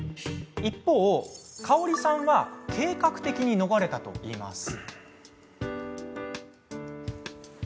一方、かおりさんは計画的に逃れたといいます。